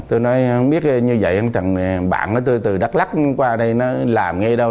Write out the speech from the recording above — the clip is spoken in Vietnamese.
tôi nói không biết như vậy thằng bạn tôi từ đắk lắk qua đây nó làm ngay đâu